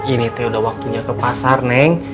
ini aku sudah waktunya ke pasar neng